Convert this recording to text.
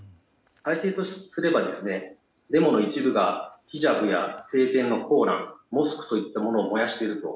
体制とすればデモの一部がヒジャブや聖典のコーランモスクといったものを燃やしていると。